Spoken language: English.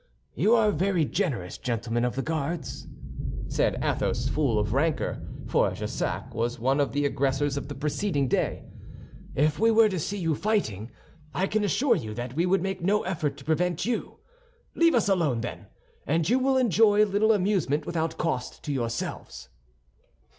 "You are very generous, gentlemen of the Guards," said Athos, full of rancor, for Jussac was one of the aggressors of the preceding day. "If we were to see you fighting, I can assure you that we would make no effort to prevent you. Leave us alone, then, and you will enjoy a little amusement without cost to yourselves."